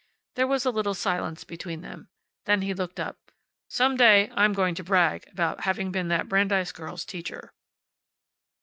There was a little silence between them. Then he looked up. "Some day I'm going to brag about having been that Brandeis girl's teacher."